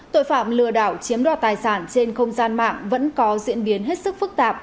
tội phạm lừa đảo chiếm đoạt tài sản trên không gian mạng vẫn có diễn biến hết sức phức tạp